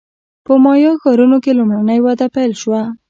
په مایا ښارونو کې لومړنۍ وده پیل شوه